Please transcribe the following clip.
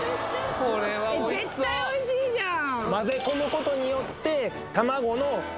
絶対おいしいじゃん！